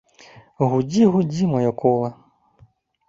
Гудзі, гудзі, маё кола!